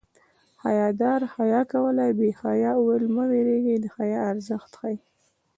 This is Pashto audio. حیادار حیا کوله بې حیا ویل له ما وېرېږي د حیا ارزښت ښيي